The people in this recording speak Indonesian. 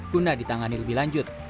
guna ditangani lebih lanjut